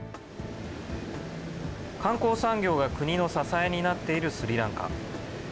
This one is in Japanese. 観光産業が国の支えになっているスリランカ。